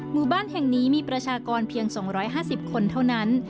หมู่บ้านแห่งนี้มีประชากรเพียง๒๕๐คนเท่านั้น